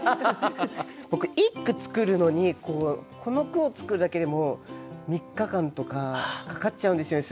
僕一句作るのにこの句を作るだけでも３日間とかかかっちゃうんですよね